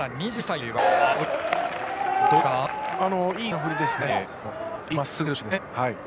いい腕の振りですね。